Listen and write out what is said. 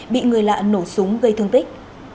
bị người lạ nổ súng gây thương tích